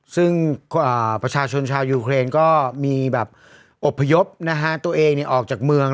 ซึ่งประชาชนชาวยูเครนก็มีแบบอบพยพตัวเองออกจากเมือง